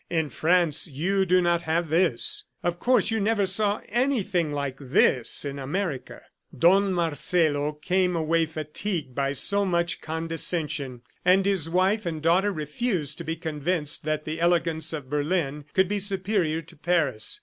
"In France, you do not have this," "Of course, you never saw anything like this in America." Don Marcelo came away fatigued by so much condescension, and his wife and daughter refused to be convinced that the elegance of Berlin could be superior to Paris.